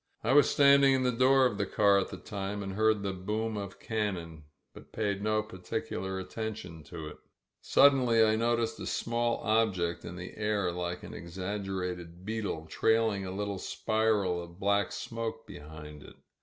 I was standing in the door of the car at the time and heard the boom of cannon, but paid no par ticular attention to it. Suddenly I noticed a small ob* ject in the air like an exaggerated beetle, trailing a little spiral of black smoke behind it.